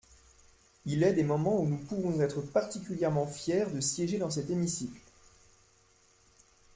Il est des moments où nous pouvons être particulièrement fiers de siéger dans cet hémicycle.